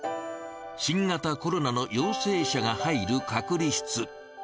新型コロナの陽性者が入る隔離室。